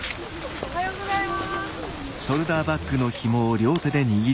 おはようございます。